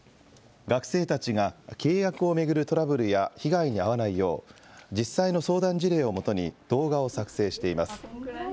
学生たちが契約を巡るトラブルや被害に遭わないよう、実際の相談事例をもとに、動画を作成しています。